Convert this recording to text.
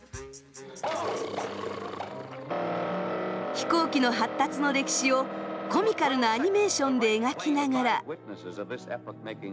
飛行機の発達の歴史をコミカルなアニメーションで描きながら。